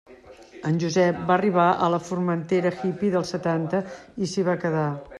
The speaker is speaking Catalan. En Josep va arribar a la Formentera hippy dels setanta i s'hi va quedar.